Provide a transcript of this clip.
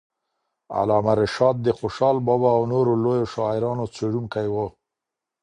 علامه رشاد د خوشال بابا او نورو لویو شاعرانو څېړونکی وو.